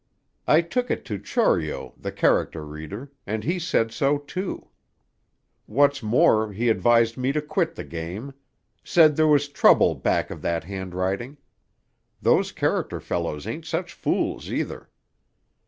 I took it to Chorio, the character reader, and he said so, too. What's more, he advised me to quit the game. Said there was trouble back of that handwriting. Those character fellows ain't such fools, either!